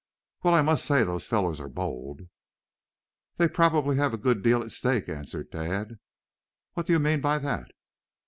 "Well, I must say those fellows are bold." "They probably have a good deal at stake," answered Tad. "What do you mean by that?"